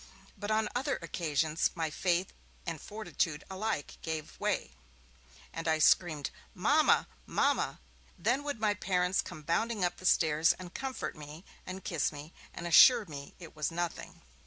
But on other occasions, my faith and fortitude alike gave way, and I screamed 'Mama! Mama!' Then would my parents come bounding up the stairs, and comfort me, and kiss me, and assure me it was nothing.